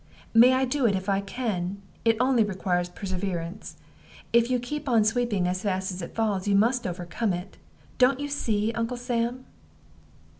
"May I do it if I can? It only requires perseverance. If you keep on sweeping as fast as it falls, you must overcome it. Don't you see, Uncle Sam?"